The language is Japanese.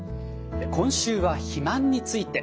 今週は肥満について。